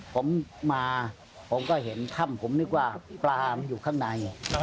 ผมมาผมก็เห็นถ้ำผมนึกว่าปลามันอยู่ข้างใน